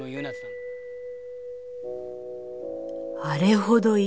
「あれほど」